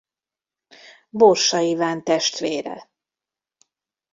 Borsa Iván testvére.